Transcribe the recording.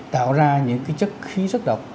tạo ra những cái chất khí rất độc